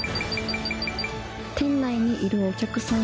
店内にいるお客さん